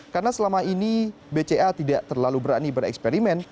karena selama ini bca tidak terlalu berani bereksperimen